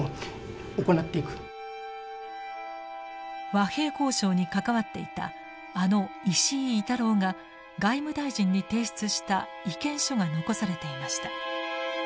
和平交渉に関わっていたあの石射猪太郎が外務大臣に提出した意見書が残されていました。